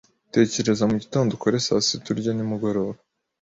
Tekereza mugitondo ukore saa sita urye nimugoroba